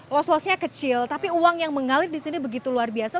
los losnya kecil tapi uang yang mengalir di sini begitu luar biasa